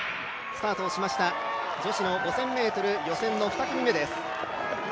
スタートしました女子の５０００ｍ、予選の２組目です。